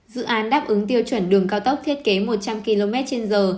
dự án đáp ứng tiêu chuẩn đường cao tốc thiết kế một trăm linh km trên giờ